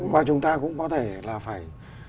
và chúng ta cũng có thể là phải